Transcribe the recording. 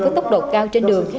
với tốc độ cao trên đường